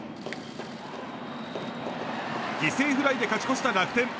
犠牲フライで勝ち越した楽天。